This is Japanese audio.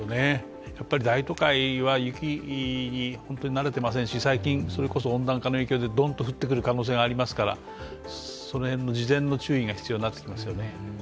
大都会は雪に慣れてませんし最近、それこそ温暖化の影響でドンと降ってくる可能性がありますから、その辺の事前の注意が必要になってきますよね。